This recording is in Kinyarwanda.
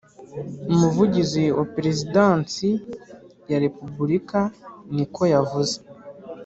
umuvugizi wa Perezidansi ya Repubulika niko yavuze